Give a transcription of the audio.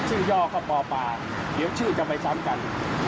ชื่อย่อข้าวป่อปลาเดี๋ยวชื่อจะไปซ้ำกัน